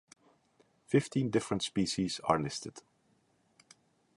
Fifteen different species are listed.